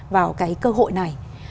vào cái cơ hội này